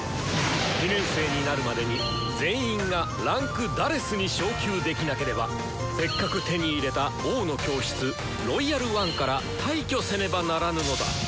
２年生になるまでに全員が位階「４」に昇級できなければせっかく手に入れた「王の教室」「ロイヤル・ワン」から退去せねばならぬのだ！